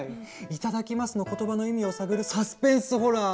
「いただきます」の言葉の意味を探るサスペンスホラー！